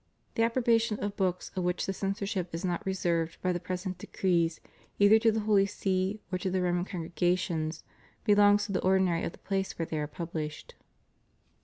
The approbation of books of which the censorship is not reserved by the present decrees either to the Holy See or to the Roman congregations belongs to the or dinary of the place where they are pubUshed.